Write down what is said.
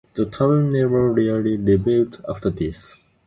The town never really rebuilt after this.